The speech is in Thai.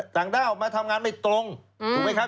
ด้าวมาทำงานไม่ตรงถูกไหมครับ